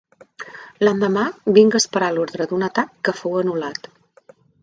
L'endemà, vinga esperar l'ordre d'un atac que fou anul·lat